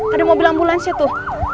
ada mobil ambulansnya tuh